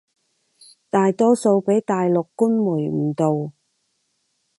大多數畀大陸官媒誤導